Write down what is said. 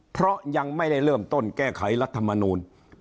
เพราะยังไม่ได้เริ่มต้นแก้ไขรัฐมนูล